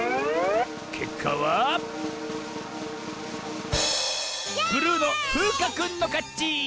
けっかはブルーのふうかくんのかち！